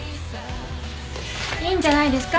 いいんじゃないですか？